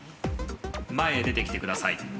前へ出てきてください。